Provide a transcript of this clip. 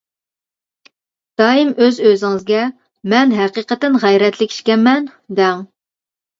دائىم ئۆز-ئۆزىڭىزگە مەن ھەقىقەتەن غەيرەتلىك ئىكەنمەن، دەڭ.